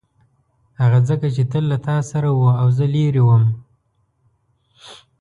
هغه ځکه چې تل له تا سره و او زه لیرې وم.